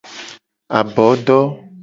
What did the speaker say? Abodo.